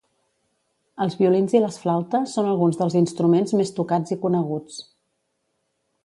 Els violins i les flautes són alguns dels instruments més tocats i coneguts.